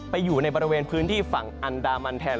อยู่ในบริเวณพื้นที่ฝั่งอันดามันแทน